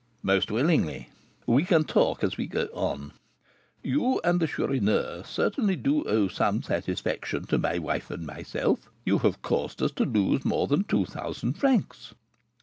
"Most willingly." "We can talk as we go on. You and the Chourineur certainly do owe some satisfaction to my wife and myself, you have caused us to lose more than two thousand francs.